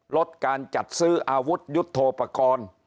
ลดการจัดซื้ออาวุธยุทธโทปกรณ์